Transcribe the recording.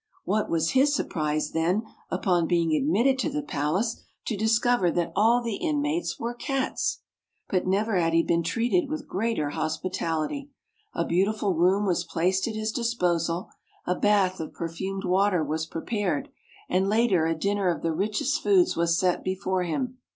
What was his surprise, then, upon being admitted to the palace, to discover that all the inmates were cats! But never had he been treated with greater hospitality. * A beautiful room was placed at his disposal, a bath of perfumed water was prepared, and later a dinner of the richest foods was set before him.